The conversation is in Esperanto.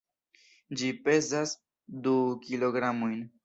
Ĝi pezas du kilogramojn.